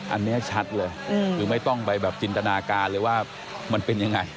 อันนี้ชัดเลยคือไม่ต้องไปแบบจินตนาการเลยว่ามันเป็นยังไง